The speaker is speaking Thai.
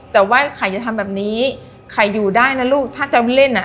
แต่ว่าใครจะทำแบบนี้ใครอยู่ได้นะลูกถ้าจะเล่นอ่ะ